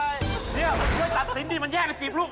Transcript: นี่เพื่อนสัตว์สิ้นมันแยกกับกีบลูก